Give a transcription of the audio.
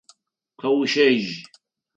Къэущэжь!